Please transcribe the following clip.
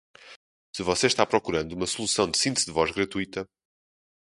Se você está procurando uma solução de síntese de voz gratuita